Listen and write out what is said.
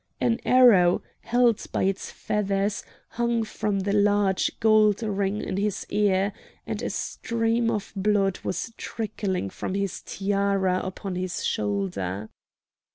An arrow, held by its feathers, hung from the large gold ring in his ear, and a stream of blood was trickling from his tiara upon his shoulder.